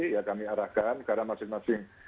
ya kami arahkan karena masing masing